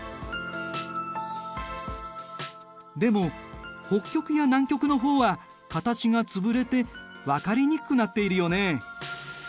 でも北極や南極の方は形が潰れて分かりにくくなっているよね。